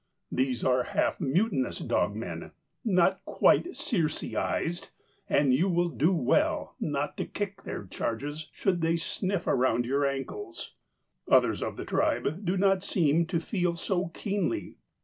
These are half mutinous dogmen, not quite Circe ized, and you will do well not to kick their charges, should they sniff around your ankles. Others of the tribe do not seem to feel so keenly.